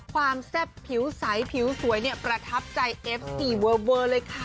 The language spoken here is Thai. แซ่บผิวใสผิวสวยเนี่ยประทับใจเอฟซีเวอร์เลยค่ะ